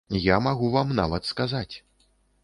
Я магу вам нават сказаць.